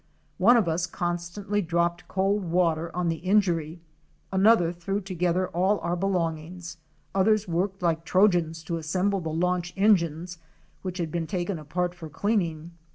One of us constantly dropped cold water on the injury, another threw together all our belongings; others worked like Trojans to assemble the launch engines, which had been taken apart for cleaning.